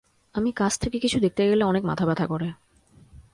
আমি কাছ থেকে কিছু দেখতে গেলে অনেক মাথা ব্যথা করে।